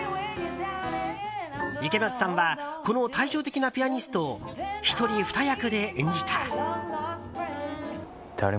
池松さんはこの対照的なピアニストを１人２役で演じた。